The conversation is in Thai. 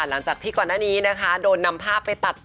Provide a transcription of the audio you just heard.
หลังจากที่ก่อนหน้านี้นะคะโดนนำภาพไปตัด